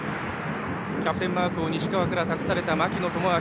キャプテンマークを西川から託された槙野智章。